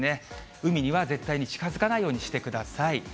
海には絶対に近づかないようにしてください。